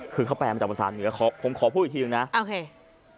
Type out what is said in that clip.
ข้อแปลมาจากภาษาเหนือผมขอพูดอีกทีหนึ่งนะ